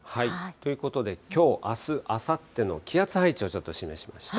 ということできょう、あす、あさっての気圧配置をちょっと示しました。